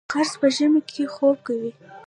خرس په ژمي کې خوب کوي